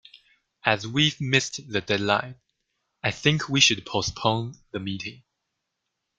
As we've missed the deadline, I think we should postpone the meeting.